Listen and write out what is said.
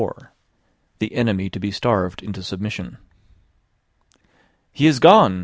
THE ENEMY TO BE STARVED INTO SUBMISSION "He is gone!"